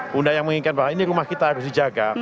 bunda yang mengingat bahwa ini rumah kita harus dijaga